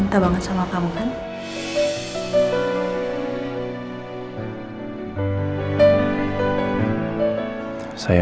ada tambahan saja